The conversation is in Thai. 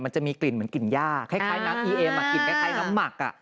มันจะมีกลิ่นเหมือนกลิ่นย่าคล้ายคล้ายน้ำอีเอหมัก